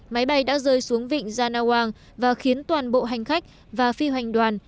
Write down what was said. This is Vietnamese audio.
máy bay đã rơi xuống vịnh janawang và khiến toàn bộ hành khách và phi hoành đoàn